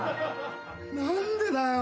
何でだよ。